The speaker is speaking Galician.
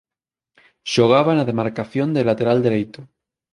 Xogaba na demarcación de lateral dereito.